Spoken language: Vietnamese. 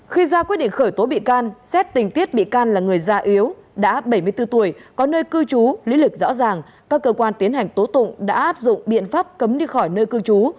khi ra quyết định khởi tố bị can xét tình tiết bị can là người già yếu đã bảy mươi bốn tuổi có nơi cư trú lý lịch rõ ràng các cơ quan tiến hành tố tụng đã áp dụng biện pháp cấm đi khỏi nơi cư trú